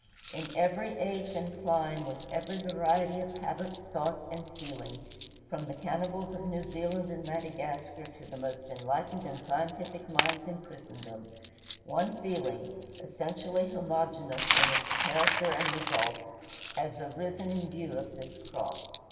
In every age and clime, with every variety of habit, thought, and feeling, from the cannibals of New Zealand and Madagascar to the most enlightened and scientific minds in Christendom, one feeling, essentially homogeneous in its character and results, has arisen in view of this cross.